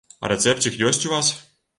А рэцэпцік ёсць у вас?